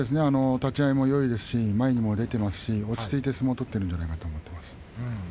立ち合いもいいですし前にも出ていますし落ち着いて相撲を取っているんじゃないかと思っています。